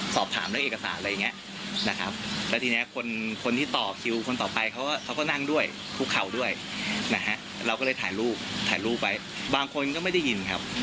เสียงเบามันก็ไม่ค่อยได้ยิน